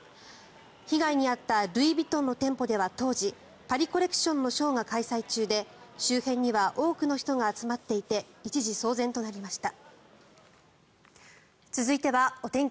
被害に遭ったルイ・ヴィトンの店舗では当時、パリ・コレクションのショーが開催中で周辺には多くの人が集まっていて一時、騒然となりました。